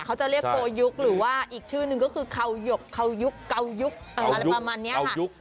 เขาจะเรียกโกยุคหรือว่าอีกชื่อนึงก็คือเขาหยกเขายุคเก่ายุคอะไรประมาณนี้ค่ะ